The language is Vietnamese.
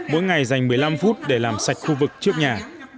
mỗi ngày dành một mươi năm phút để làm sạch khu vực trước nhà